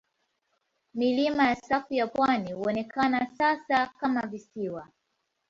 Milima ya safu ya pwani huonekana sasa kama visiwa.